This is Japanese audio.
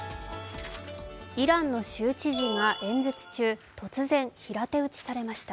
イランの州知事が演説中突然平手打ちされました。